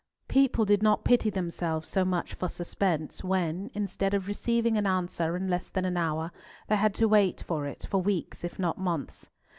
People did not pity themselves so much for suspense when, instead of receiving an answer in less than an hour, they had to wait for it for weeks if not months.